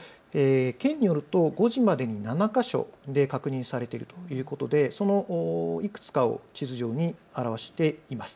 県によると５時までに７か所で確認されているということでそのいくつかを地図上に表しています。